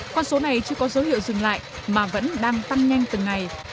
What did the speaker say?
con số này chưa có dấu hiệu dừng lại mà vẫn đang tăng nhanh từng ngày